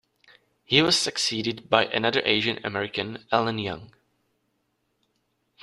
He was succeeded by another Asian American Ellen Young.